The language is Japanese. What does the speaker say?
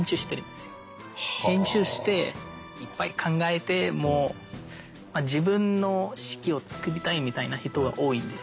編集していっぱい考えて自分の式を作りたいみたいな人が多いんですよ。